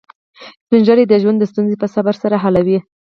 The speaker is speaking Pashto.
سپین ږیری د ژوند ستونزې په صبر سره حلوي